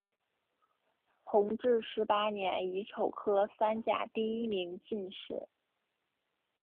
弘治十八年乙丑科三甲第一名进士。